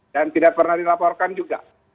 dan tidak pernah dilaporkan juga